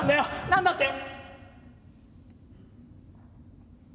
何だって？